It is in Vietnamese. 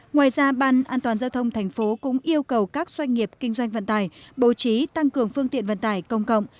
ngoài ra ban an toàn giao thông thành phố cũng yêu cầu các doanh nghiệp kinh doanh vận tải bố trí tăng cường phương tiện vận tải công cộng